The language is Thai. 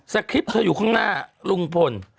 แสดงคลิปอยู่ข้างหน้าลุงพล